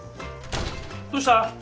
どうした？